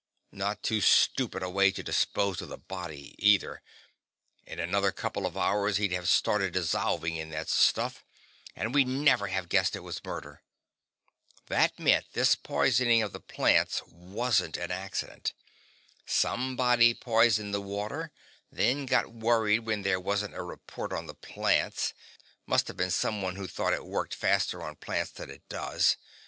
Not too stupid a way to dispose of the body, either in another couple of hours, he'd have started dissolving in that stuff, and we'd never have guessed it was murder. That means this poisoning of the plants wasn't an accident. Somebody poisoned the water, then got worried when there wasn't a report on the plants; must have been someone who thought it worked faster on plants than it does.